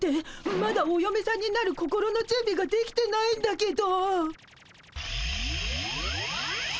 まだおよめさんになる心のじゅんびができてないんだけど。